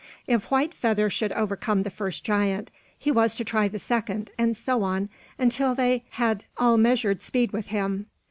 If White Feather should overcome the first giant, he was to try the second, and so on, until they had all measured speed with him.